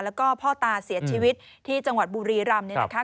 แล้วก็พ่อตาเสียชีวิตที่จังหวัดบุรีรำ